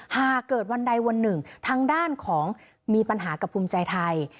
หากเกิดวันใดวันหนึ่งทางด้านของมีปัญหากับภูมิใจไทย